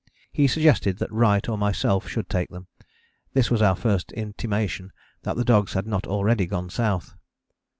He suggested that Wright or myself should take them. This was our first intimation that the dogs had not already gone South.